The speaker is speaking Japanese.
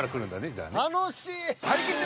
楽しい！